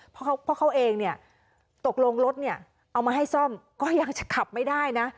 เพราะเขาเองเนี่ยตกลงรถเนี่ยเอามาให้ซ่อมก็ยังจะขับไม่ได้นะ